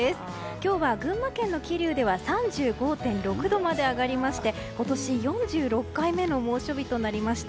今日は群馬県の桐生では３５．６度まで上がりまして、今年４６回目の猛暑日となりました。